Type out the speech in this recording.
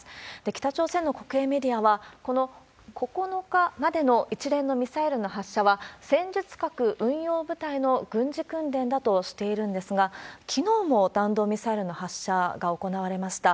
北朝鮮の国営メディアは、この９日までの一連のミサイルの発射は、戦術核運用部隊の軍事訓練だとしているんですが、きのうも弾道ミサイルの発射が行われました。